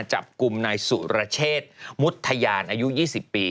จับกลุ่มนายสุรเชษมุทยานอายุ๒๐ปี